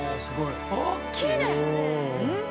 大きいね！